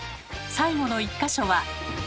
最後の１か所は？